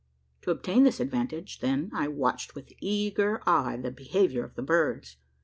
To obtain this advantage, then, I watched with eager eye the behaviour of the birds.